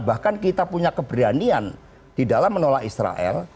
bahkan kita punya keberanian di dalam menolak israel